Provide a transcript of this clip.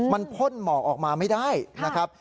มันพ่นหมอกออกมาไม่ได้นะครับ